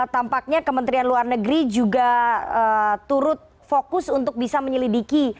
tampaknya kementerian luar negeri juga turut fokus untuk bisa menyelidiki